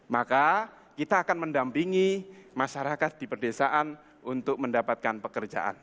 maka kita akan mendampingi masyarakat di perdesaan untuk mendapatkan pekerjaan